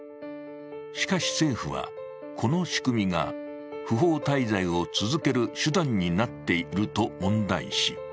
しかし政府は、この仕組みが不法滞在を続ける手段になっていると問題視。